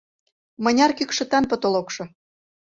— Мыняр кӱкшытан потолокшо?